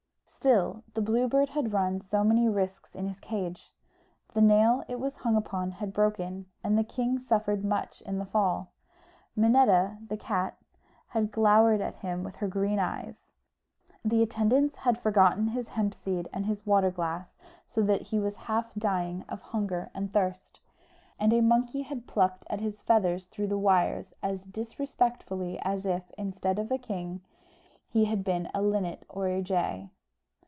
Still, the Blue Bird had run so many risks in his cage: the nail it was hung upon had broken, and the king suffered much in the fall; Minetta, the cat, had glowered at him with her green eyes; the attendants had forgotten his hemp seed and his water glass, so that he was half dying of hunger and thirst; and a monkey had plucked at his feathers through the wires as disrespectfully as if, instead of a king, he had been a linnet or a jay.